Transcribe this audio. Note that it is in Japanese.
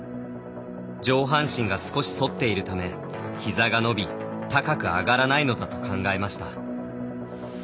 上半身が少しそっているため膝が伸び高く上がらないのだと考えました。